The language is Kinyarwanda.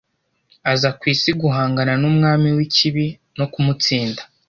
aza ku isi guhangana n’umwami w’ikibi no kumutsinda.